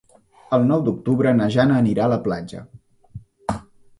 El nou d'octubre na Jana anirà a la platja.